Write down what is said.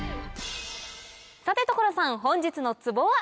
さて所さん本日のツボは？